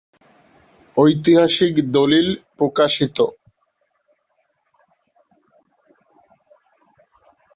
ঐতিহাসিক দলিল, প্রকাশিত...